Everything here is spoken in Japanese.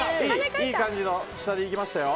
いい感じに下に行きましたよ。